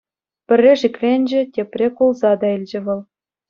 Пӗрре шикленчӗ, тепре кулса та илчӗ вӑл.